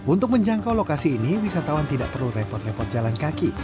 untuk menjangkau lokasi ini wisatawan tidak perlu repot repot jalan kaki